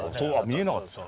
見えなかった。